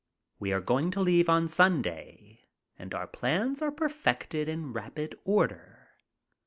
We are going to leave on Sunday and our plans are per fected in rapid fire order.